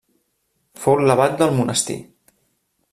Fou l'abat del monestir.